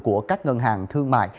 của các ngân hàng thương mại